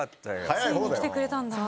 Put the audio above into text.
ついに来てくれたんだ。